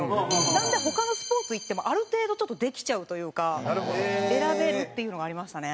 なので他のスポーツいってもある程度ちょっとできちゃうというか選べるっていうのがありましたね。